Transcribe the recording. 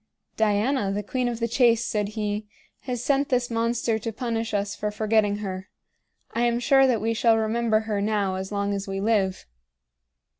"Diana, the queen of the chase," said he, "has sent this monster to punish us for forgetting her. I am sure that we shall remember her now as long as we live."